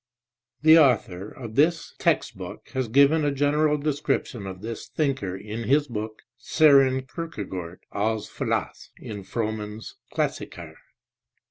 The author of this text book has given a general description of this thinker in his book Sorcn Kierkegaard, ah Philosoph (in Frommann s Klassiker)